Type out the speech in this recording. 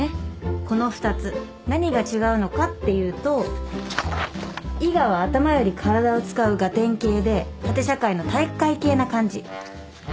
この２つ何が違うのかっていうと伊賀は頭より体を使うガテン系で縦社会の体育会系な感じ。